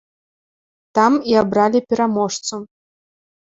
Там і абралі пераможцу.